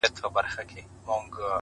زه د بل له ښاره روانـېـږمـه;